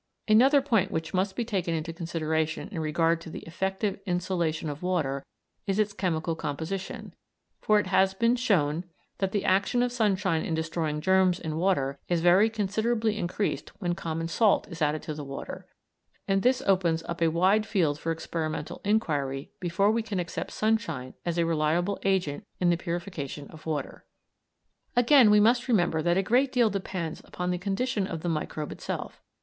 Another point which must be taken into consideration in regard to the effective insolation of water is its chemical composition, for it has been shown that the action of sunshine in destroying germs in water is very considerably increased when common salt is added to the water, and this opens up a wide field for experimental inquiry before we can accept sunshine as a reliable agent in the purification of water. PERCY FRANKLAND, Our Secret Friends and Foes, 4th edition, p. 188. Again, we must remember that a great deal depends upon the condition of the microbe itself.